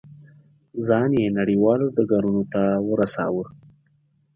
ځان یې نړیوالو ډګرونو ته ورساوه.